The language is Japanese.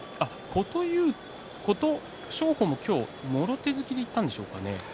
琴勝峰も今日はもろ手突きでいったんですね。